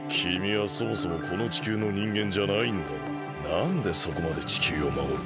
なんでそこまで地球をまもる？